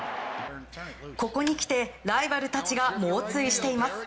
ここにきて、ライバルたちが猛追しています。